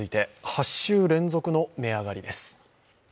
８週連続の値上がりです。